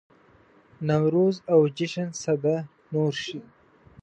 نوروز او جشن سده نور شي.